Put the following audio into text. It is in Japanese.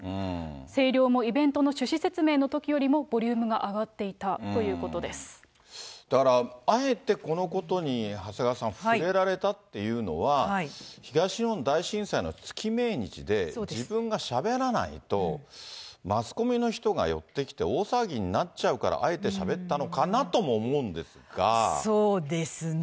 声量もイベントの趣旨説明のときよりもボリュームが上がっていただから、あえてこのことに、長谷川さん触れられたっていうのは、東日本大震災の月命日で、自分がしゃべらないと、マスコミの人が寄ってきて大騒ぎになっちゃうからあえてしゃべっそうですね。